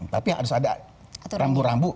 tapi harus ada rambu rambu